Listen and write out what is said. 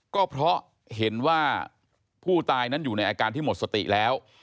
ก็เพราะเห็นว่าผู้ตายนั้นอยู่ในอาการที่หมดสติแล้ว